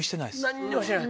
なんにもしてない？